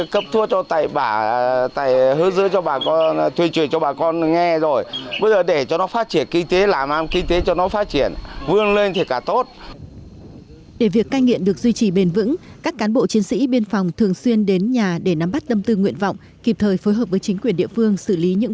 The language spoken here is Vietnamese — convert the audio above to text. cùng chính quyền cơ sở xây dựng hệ thống chính trị vững chắc cán bộ chiến sĩ đồn biên phòng hồi luông